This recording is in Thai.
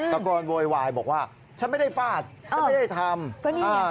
โวยวายบอกว่าฉันไม่ได้ฟาดฉันไม่ได้ทำ